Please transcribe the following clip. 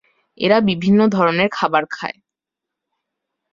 এরা বিভিন্ন ধরনের খাবার খায়।